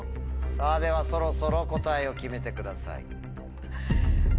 さぁではそろそろ答えを決めてください。